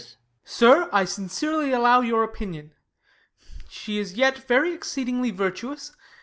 Ben. Sir, I sincerely allow your opinion. She is yet very exceedingly virtuous.